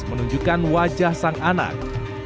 menunjukkan wajah sang anak